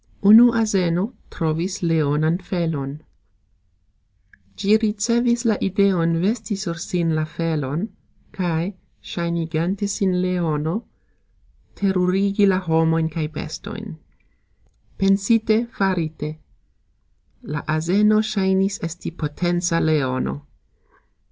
Unu azeno trovis leonan felon. Gxi ricevis la ideon vesti sur sin la felon, kaj sxajnigante sin leono, terurigi la homojn kaj bestojn. Pensite, farite. La azeno sxajnis esti potenca leono.